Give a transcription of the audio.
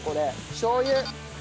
しょう油。